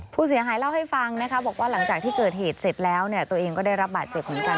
ผู้เสียหายเล่าให้ฟังนะคะบอกว่าหลังจากที่เกิดเหตุเสร็จแล้วเนี่ยตัวเองก็ได้รับบาดเจ็บเหมือนกัน